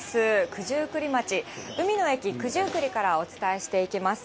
九十九里町、海の駅九十九里からお伝えしていきます。